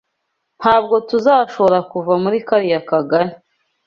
Ntabwo tuzashobora kuva muri kariya kagari.